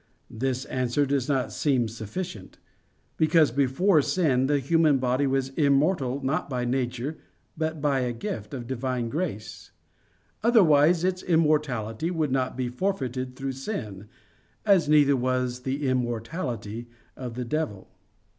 This answer does not seem sufficient; because before sin the human body was immortal not by nature, but by a gift of Divine grace; otherwise its immortality would not be forfeited through sin, as neither was the immortality of the devil.